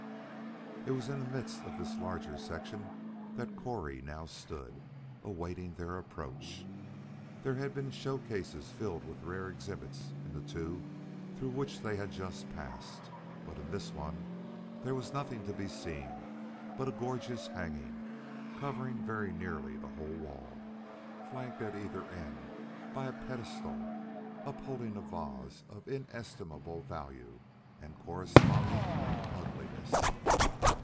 It was in the midst of this larger section that Correy now stood, awaiting their approach. There had been show cases filled with rare exhibits in the two through which they had just passed, but in this one there was nothing to be seen but a gorgeous hanging, covering very nearly the whole wall, flanked at either end by a pedestal upholding a vase of inestimable value and corresponding ugliness.